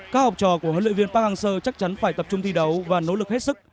các học trò của huấn luyện viên park hang seo chắc chắn phải tập trung thi đấu và nỗ lực hết sức